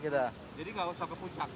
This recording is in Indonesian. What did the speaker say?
jadi nggak usah ke puncak